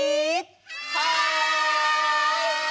はい！